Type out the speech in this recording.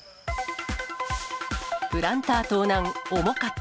プランター盗難、重かった。